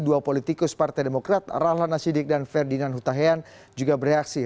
dua politikus partai demokrat rahlan nasidik dan ferdinand hutahian juga bereaksi